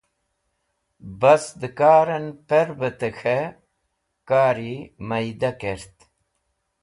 Bas de Kar en Pervẽte K̃he Kari Myda kert